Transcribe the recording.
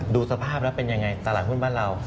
ดูสภาพแล้วเป็นยังไงตลาดหุ้นบ้านเรา